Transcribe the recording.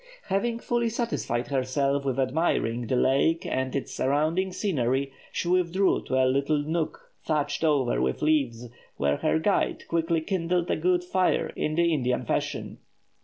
Having fully satisfied herself with admiring the lake and its surrounding scenery, she withdrew to a little nook thatched over with leaves, where her guide quickly kindled a good fire in the Indian fashion.